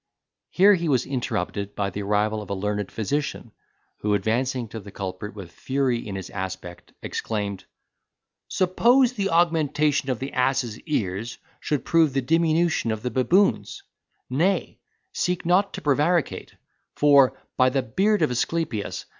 Here he was interrupted by the arrival of a learned physician, who, advancing to the culprit with fury in his aspect, exclaimed, "Suppose the augmentation of the ass's ears should prove the diminution of the baboon's—nay, seek not to prevaricate, for, by the beard of Aesculapius!